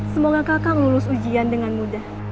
semoga kakak lulus ujian dengan mudah